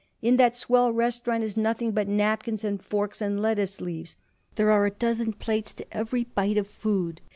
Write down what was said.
In that swell restaurant is nothing but napkins and forks and lettuce leaves. There are a dozen plates to every bite of food.